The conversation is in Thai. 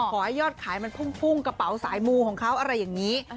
ขอให้ยอดขายมันพุ่งกระเป๋าสายมูของเขาอะไรอย่างนี้